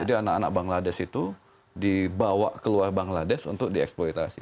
jadi anak anak bangladesh itu dibawa ke luar bangladesh untuk dieksploitasi